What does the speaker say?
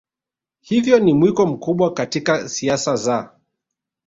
hivyo ni mwiko mkubwa katika siasa za